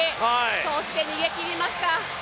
そして逃げきりました。